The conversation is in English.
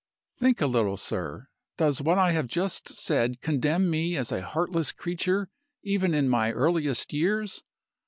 "Think a little, sir. Does what I have just said condemn me as a heartless creature, even in my earliest years?